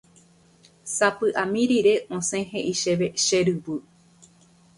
Sapy'ami rire osẽ he'i chéve che ryvy.